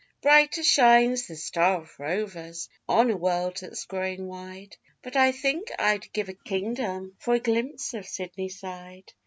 Brighter shines the Star of Rovers on a world that's growing wide, But I think I'd give a kingdom for a glimpse of Sydney Side.